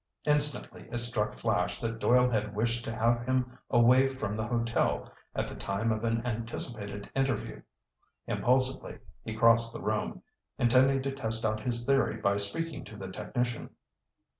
Instantly it struck Flash that Doyle had wished to have him away from the hotel at the time of an anticipated interview. Impulsively, he crossed the room, intending to test out his theory by speaking to the technician.